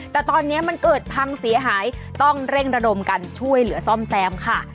แต่ตอนนี้มันเกิดพังเสียหายต้องเร่งระดมกันช่วยเหลือซ่อมแซมค่ะ